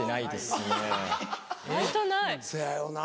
せやよな。